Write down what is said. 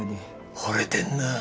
ほれてんなぁ！